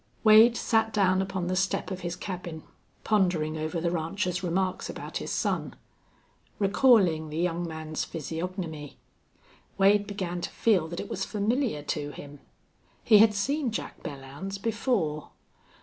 Wade sat down upon the step of his cabin, pondering over the rancher's remarks about his son. Recalling the young man's physiognomy, Wade began to feel that it was familiar to him. He had seen Jack Belllounds before.